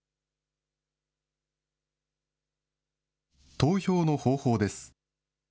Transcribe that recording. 投票の方法です。